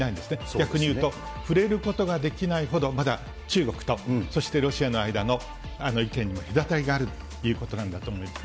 逆に言うと触れることができないほど、まだ中国と、そしてロシアの間の意見にも隔たりがあるということなんですね。